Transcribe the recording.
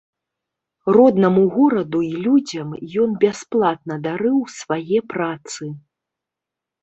Роднаму гораду і людзям ён бясплатна дарыў свае працы.